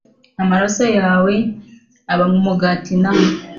amaraso yawe, uba mu mugati na